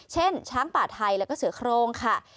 ช้างป่าไทยแล้วก็เสือโครงค่ะ